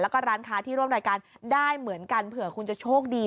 แล้วก็ร้านค้าที่ร่วมรายการได้เหมือนกันเผื่อคุณจะโชคดี